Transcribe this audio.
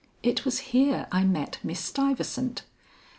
It was here I met Miss Stuyvesant.